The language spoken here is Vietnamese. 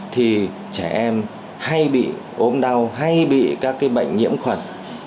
thì trẻ em hay bị ốm đau hay bị các cái bệnh nhiễm khuẩn